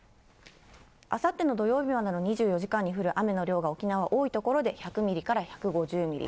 あさっての土曜日までの２４時間に降る雨の量が沖縄、多い所で１００ミリから１５０ミリ。